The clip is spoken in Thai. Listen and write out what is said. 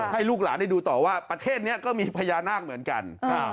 ให้ลูกหลานได้ดูต่อว่าประเทศนี้ก็มีพญานาคเหมือนกัน